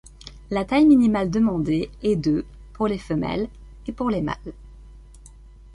La taille minimale demandée est de pour les femelles et pour les mâles.